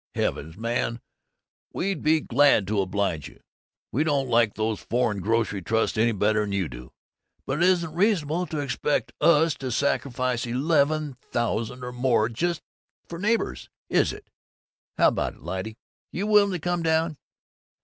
Heavens, man, we'd be glad to oblige you! We don't like these foreign grocery trusts any better 'n you do! But it isn't reasonable to expect us to sacrifice eleven thousand or more just for neighborliness, is it! How about it, Lyte? You willing to come down?"